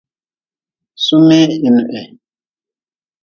Sumih hinuhi.